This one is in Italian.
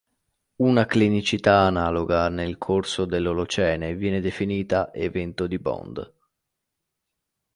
Una ciclicità analoga nel corso dell'Olocene viene definita evento di Bond.